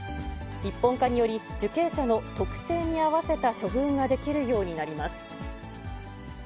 一本化により、受刑者の特性に合わせた処遇ができるようになります。